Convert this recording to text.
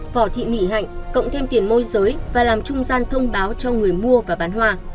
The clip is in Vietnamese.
võ thị mỹ hạnh cộng thêm tiền môi giới và làm trung gian thông báo cho người mua và bán hoa